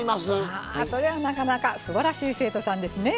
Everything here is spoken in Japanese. はぁそれはなかなかすばらしい生徒さんですね。